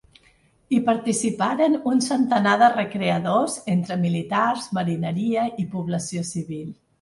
Hi participaran un centenar de recreadors, entre militars, marineria i població civil.